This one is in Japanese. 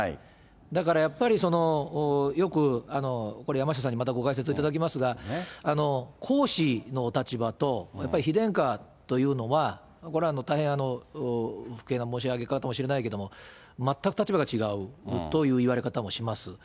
だからやっぱり、よく、これ、山下さんにまたご解説をいただきますが、皇嗣のお立場と、やっぱり妃殿下というのは、これは大変、不敬な申し上げ方かもしれないですけれども、全く立場が違うという言われ方もします。